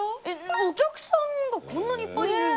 お客さんがこんなにいっぱいいるんだ。